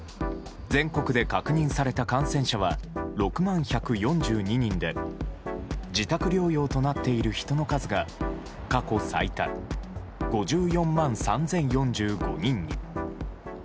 全国で確認された感染者は６万１４２人で自宅療養となっている人の数が過去最多５４万３０４５人に。